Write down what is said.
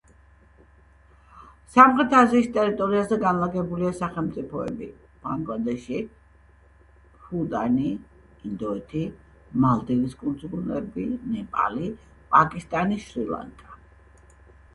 სამხრეთ აზიის ტერიტორიაზე განლაგებულია სახელმწიფოები: ბანგლადეში, ბჰუტანი, ინდოეთი, მალდივის კუნძულები, ნეპალი, პაკისტანი, შრი-ლანკა.